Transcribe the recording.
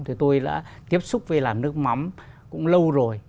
thì tôi đã tiếp xúc với làm nước mắm cũng lâu rồi